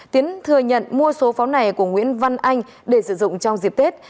tiến thừa nhận mua số pháo này của nguyễn văn anh để sử dụng trong dịp tết